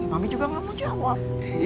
kami juga gak mau jawab